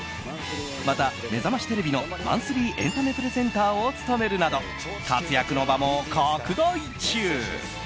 また、「めざましテレビ」のマンスリーエンタメプレゼンターを務めるなど活躍の場も拡大中。